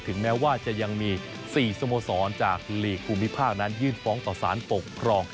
แม้ว่าจะยังมี๔สโมสรจากหลีกภูมิภาคนั้นยื่นฟ้องต่อสารปกครอง